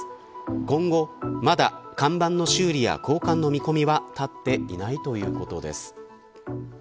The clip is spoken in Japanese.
今後まだ看板の修理や交換の見込みは立っていないということです。